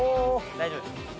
大丈夫です。